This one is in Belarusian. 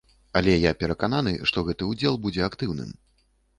Але я перакананы, што гэты ўдзел будзе актыўным.